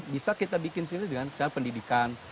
bisa kita bikin sini dengan cara pendidikan